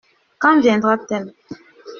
Quand viendra-t-elle ?